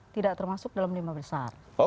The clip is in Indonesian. tidak termasuk dalam lima besar